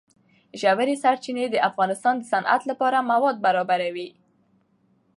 ژورې سرچینې د افغانستان د صنعت لپاره مواد برابروي.